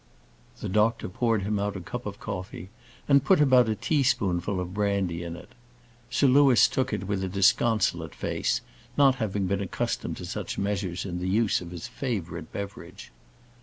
The doctor poured him out a cup of coffee, and put about a teaspoonful of brandy in it. Sir Louis took it with a disconsolate face, not having been accustomed to such measures in the use of his favourite beverage.